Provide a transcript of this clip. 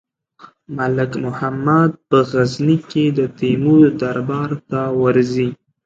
ملک محمد په غزني کې د تیمور دربار ته ورځي.